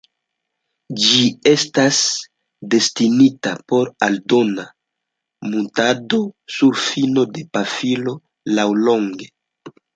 Ĝi estas destinita por aldona muntado sur fino de pafilo laŭlonge.